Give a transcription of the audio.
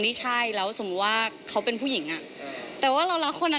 คิดอย่างว่าเขาเป็นผู้ชายจริง